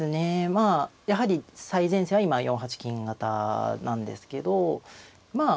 まあやはり最前線は今４八金型なんですけどまあ